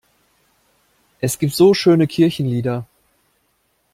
Es gibt so schöne Kirchenlieder!